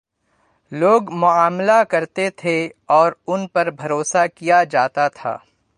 لوگ معاملہ کرتے تھے اور ان پر بھروسہ کیا جا تا تھا۔